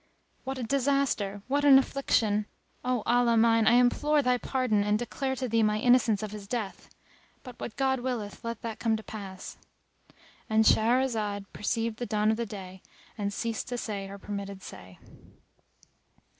What a disaster! What an affliction! O Allah mine, I implore thy pardon and declare to Thee my innocence of his death. But what God willeth let that come to pass."[FN#276]—And Shahrazad perceived the dawn of day and ceased to say her permitted say.